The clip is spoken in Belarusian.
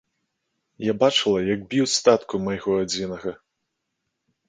Я бачыла, як б'юць татку майго адзінага.